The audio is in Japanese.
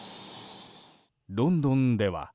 ロンドンでは。